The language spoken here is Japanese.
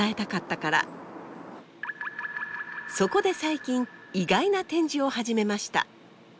そこで最近意外な展示を始めました。